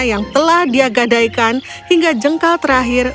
yang telah dia gadaikan hingga jengkal terakhir